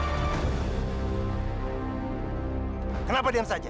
hai kenapa dia saja